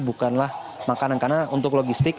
bukanlah makanan karena untuk logistik